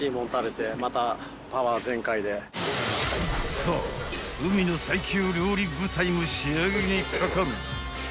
［さあ海の最強料理部隊も仕上げにかかる］